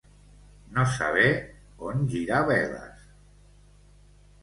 No saber on girar veles.